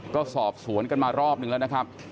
ก็สอบสวนกันมารอบนึงแล้วนะครับ